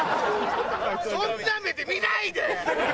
そんな目で見ないで！